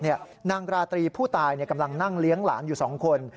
นางราตรีผู้ตายกำลังนั่งเลี้ยงหลานอยู่๒คน